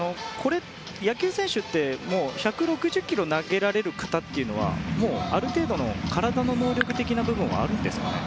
野球選手って１６０キロを投げられる方というのはもうある程度、体の能力的な部分もあるんですかね。